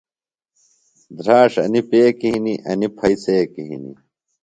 دھراڇ انیۡ پیکیۡ ہِنیۡ، انیۡ پھئیۡ څیکیۡ ہِنیۡ